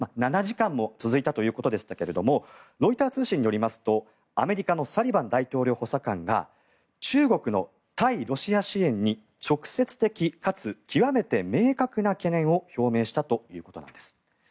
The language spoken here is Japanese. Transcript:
７時間も続いたということでしたがロイター通信によりますとアメリカのサリバン大統領補佐官が中国の対ロシア支援に直接的かつ極めて明確な懸念を表明したということです。